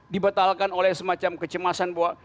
dibatalkan oleh semacam kecemasan bahwa